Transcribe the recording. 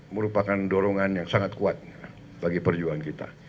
merupakan dorongan yang sangat kuat bagi perjuangan kita